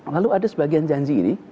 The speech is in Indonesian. lalu ada sebagian janji ini